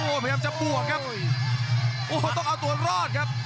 พยายามจะบวกครับโอ้โหต้องเอาตัวรอดครับ